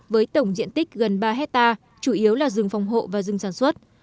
với tổng diện tích gần ba hectare chủ yếu là rừng phòng hộ và rừng sản xuất